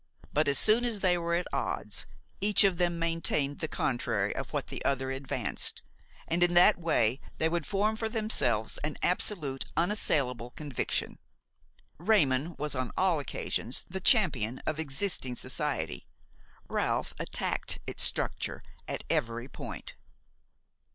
But, as soon as they were at odds, each of them maintained the contrary of what the other advanced, and in that way they would form for themselves an absolute, unassailable conviction. Raymon was on all occasions the champion of existing society, Ralph attacked its structure at every point.